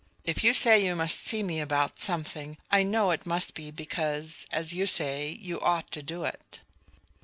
If you say you must see me about something, I know it must be because, as you say, you ought to do it."